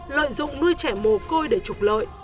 lợi dụng nuôi trẻ mồ côi để trục lợi